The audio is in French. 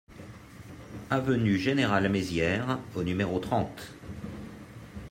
Avenue Général Maizière au numéro trente